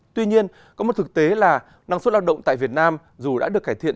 tuy nhiên có một thực tế là năng suất lao động tại việt nam dù đã được cải thiện